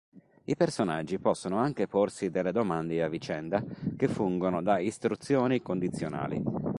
I personaggi possono anche porsi delle domande a vicenda, che fungono da istruzioni condizionali.